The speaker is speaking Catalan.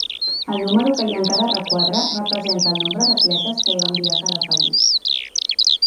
El número que hi ha en cada requadre representa el nombre d'atletes que hi va enviar cada país.